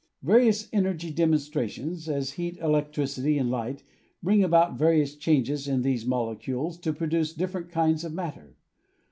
Various energy demonstrations, as heat, electricity and light, bring about various changes in these molecules to produce different kinds of matter.